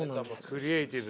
クリエイティブ。